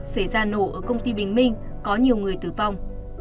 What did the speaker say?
xảy ra nổ ở công ty bình minh có nhiều người tử vong